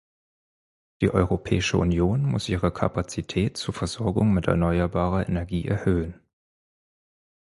Die Europäische Union muss ihre Kapazität zur Versorgung mit erneuerbarer Energie erhöhen.